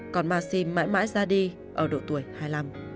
còn massim mãi mãi ra đi ở độ tuổi hai mươi năm